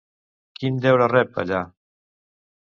Quin deure rep, allà?